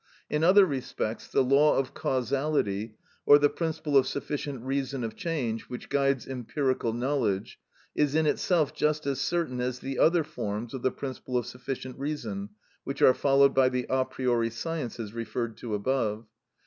In other respects, the law of causality, or the principle of sufficient reason of change, which guides empirical knowledge, is in itself just as certain as the other forms of the principle of sufficient reason which are followed by the a priori sciences referred to above.